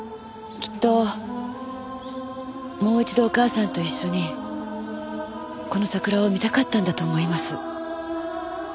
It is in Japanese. きっともう一度お母さんと一緒にこの桜を見たかったんだと思います。